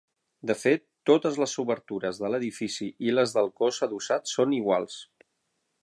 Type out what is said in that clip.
De fet, totes les obertures de l'edifici i les del cos adossat són iguals.